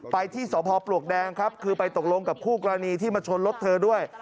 ไปที่สพปลวกแดงครับคือไปตกลงกับคู่กรณีที่มาชนรถเธอด้วย